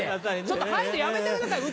ちょっと入るのやめてください。